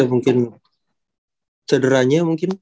atau mungkin cederanya mungkin